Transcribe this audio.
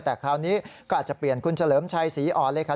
แต่คราวนี้ก็อาจจะเปลี่ยนคุณเฉลิมชัยศรีอ่อนเลยค่ะ